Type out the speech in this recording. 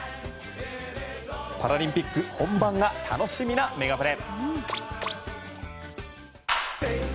パラリンピック本番が楽しみなメガプレ。